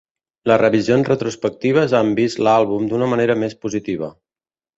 Les revisions retrospectives han vist l'àlbum d'una manera més positiva.